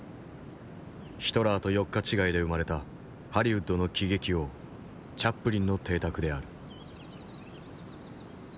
ヒトラーと４日違いで生まれたハリウッドの喜劇王チャップリンの邸宅である。